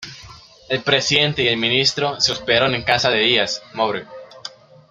El presidente y el ministro se hospedaron en casa de Díaz-Moreu.